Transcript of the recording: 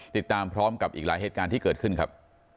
ติดตามพร้อมกับอีกหลายเหตุการณ์ที่เกิดขึ้นครับ